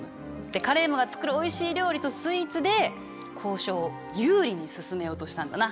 カレームが作るおいしい料理とスイーツで交渉を有利に進めようとしたんだな。